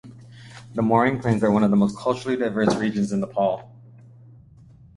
The Morang plains are one of the most culturally diverse regions in Nepal.